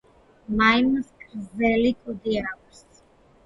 მაიმუნს გრზზელი კუდი აქვს.